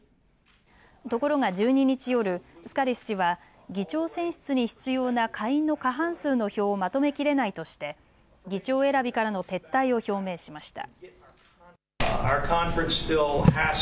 ところが１２日夜、スカリス氏は議長選出に必要な下院の過半数の票をまとめきれないとして議長選びからの撤退を表明しました。